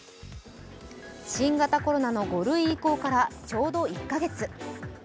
新型コロナの５類移行からちょうど１か月。